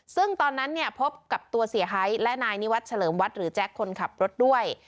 ซึ่งตอนนั้นเนี่ยพบกับตัวเสียหายและนายนิวัตรเฉลิมวัดหรือแจ๊คคนขับรถด้วย